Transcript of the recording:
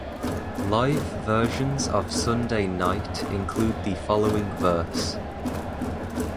Live versions of Sunday night include the following verse.